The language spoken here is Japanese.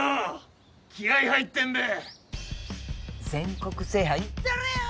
全国制覇いったれや！